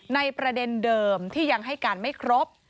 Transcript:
ในประเด็นเดิมที่ยังให้การไม่ครบ